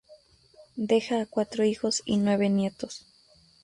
Deja a cuatro hijos y nueve nietos.